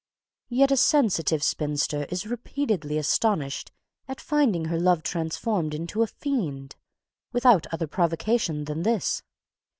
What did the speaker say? Yet a sensitive spinster is repeatedly astonished at finding her lover transformed into a fiend, without other provocation than this.